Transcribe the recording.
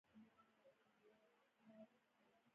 پانګوال نه پرېږدي چې تولید ودرېږي